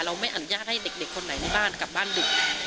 ไม่อนุญาตให้เด็กคนไหนในบ้านกลับบ้านดึก